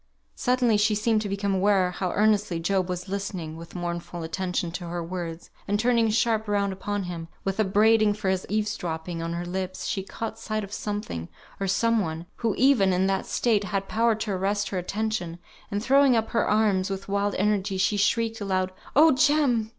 Suddenly she seemed to become aware how earnestly Job was listening (with mournful attention) to her words, and turning sharp round upon him, with upbraiding for his eaves dropping on her lips, she caught sight of something, or some one, who, even in that state, had power to arrest her attention, and throwing up her arms with wild energy, she shrieked aloud, "Oh, Jem!